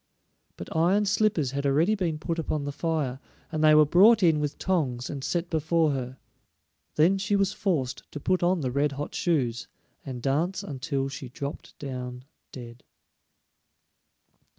But iron slippers had already been put upon the fire, and they were brought in with tongs, and set before her. Then she was forced to put on the red hot shoes, and dance until she dropped down dead.